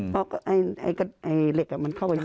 เพราะไอ้เหล็กมันเข้าไปใน